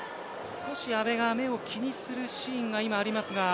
少し阿部が目を気にするシーンがありますが。